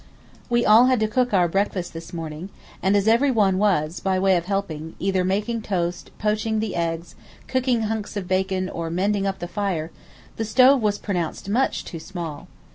We all had to cook our breakfasts this morning, and as everyone was, by way of helping, either making toast, poaching the eggs, cooking hunks of bacon, or mending up the fire, the stove was pronounced much too small.